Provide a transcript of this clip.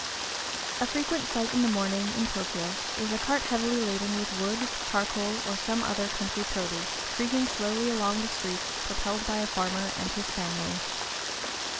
A frequent sight in the morning, in Tōkyō, is a cart heavily laden with wood, charcoal, or some other country produce, creaking slowly along the streets, propelled by a farmer and his family.